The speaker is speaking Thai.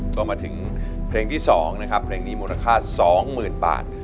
ก็มาถึงเพลงที่๒นะครับเพลงนี้มูลค่า๒๐๐๐บาท